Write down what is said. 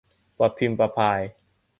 ประพิมพ์ประพาย